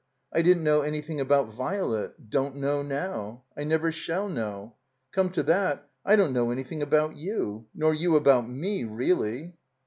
I didn't know anything about Virelet — don't know now. I never shall know. Come to that, I don't know anything about you. Nor you about me — reelly."